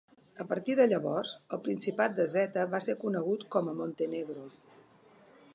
A partir de llavors el Principat de Zeta va ser conegut com a Montenegro.